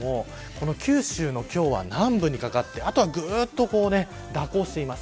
九州の今日は南部にかかってあとはぐっと蛇行しています。